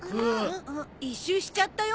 １周しちゃったよ